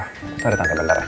ah taruh tante bentar ya